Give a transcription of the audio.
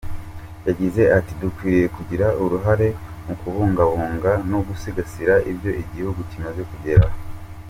Yagize ati"Dukwiriye kugira uruhare mu kubungabunga no gusigasira ibyo igihugu kimaze kugeraho.